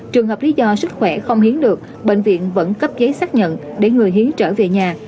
trường hợp lý do sức khỏe không hiến được bệnh viện vẫn cấp giấy xác nhận để người hiến trở về nhà